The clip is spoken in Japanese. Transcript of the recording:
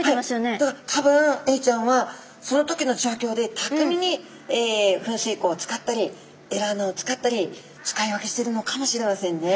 だから多分エイちゃんはその時のじょうきょうでたくみに噴水孔を使ったりエラ穴を使ったり使い分けしてるのかもしれませんね。